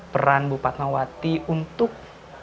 peran bupat mawati untuk